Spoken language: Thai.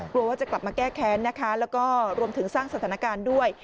กลัวว่าจะกลับมาแก้แค้นนะคะแล้วก็รวมถึงสร้างสถานการณ์ด้วย